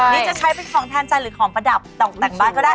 นี่จะใช้เป็นของแทนใจหรือของประดับตกแต่งบ้านก็ได้